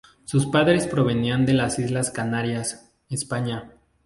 Sus padres provenían de las Islas Canarias, España.